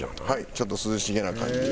ちょっと涼しげな感じで。